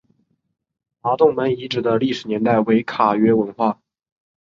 麻洞门遗址的历史年代为卡约文化。